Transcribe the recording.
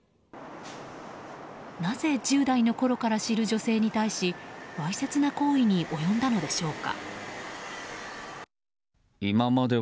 なぜ、１０代のころから知る女性に対しわいせつな行為に及んだのでしょうか。